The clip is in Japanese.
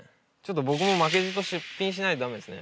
僕も負けじと出品しないとダメですね。